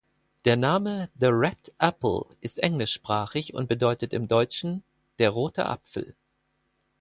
Der Name "The Red Appple" ist englischsprachig und bedeutet im deutschen "Der rote Apfel".